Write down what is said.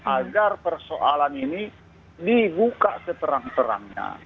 agar persoalan ini dibuka seterang terangnya